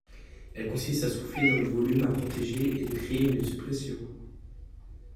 Elle consiste à souffler dans le volume à protéger et de créer une surpression.